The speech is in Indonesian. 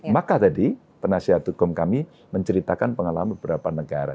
maka tadi penasihat hukum kami menceritakan pengalaman beberapa negara